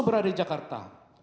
berada di jakarta